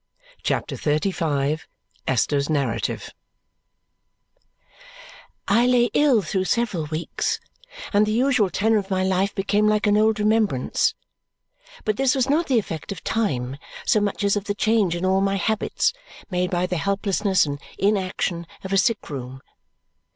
CHAPTER XXXV Esther's Narrative I lay ill through several weeks, and the usual tenor of my life became like an old remembrance. But this was not the effect of time so much as of the change in all my habits made by the helplessness and inaction of a sick room.